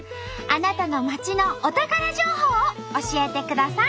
あなたの町のお宝情報を教えてください。